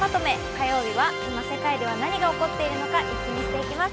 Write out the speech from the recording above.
火曜日は今世界では何が起こっているのかイッキ見していきます。